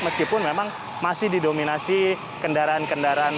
meskipun memang masih didominasi kendaraan kendaraan plat d